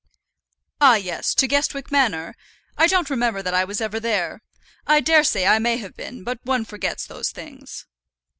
"Ah! yes; to Guestwick Manor? I don't remember that I was ever there. I daresay I may have been, but one forgets those things."